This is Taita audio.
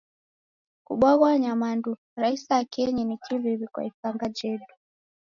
Kubwagha nyamandu ra isakenyi ni kiw'iw'i kwa isanga jedu.